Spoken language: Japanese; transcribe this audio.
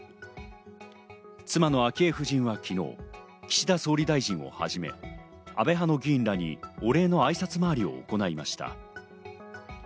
妻の昭恵夫人は昨日、岸田総理大臣をはじめ、安倍派の議員らにお礼の挨拶回りを行いました。